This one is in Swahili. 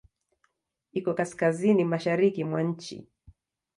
Iko Kaskazini mashariki mwa nchi.